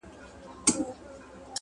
او ذهنونه بوخت ساتي ډېر ژر,